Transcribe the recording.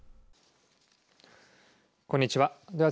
こんにちは。